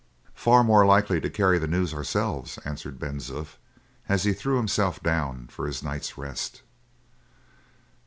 "Far more likely to carry the news ourselves," answered Ben Zoof, as he threw himself down for his night's rest.